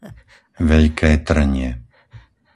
Veľké Tŕnie